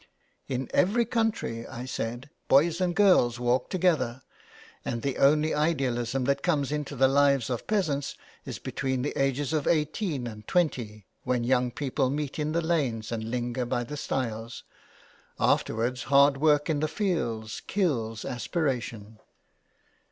*' In every country," I said, " boys and girls walk together, and the only idealism that comes into the lives of peasants is between the ages of eighteen and twenty, when young people meet in the lanes and linger by the stiles. Afterwards hard work in the fields kills aspiration."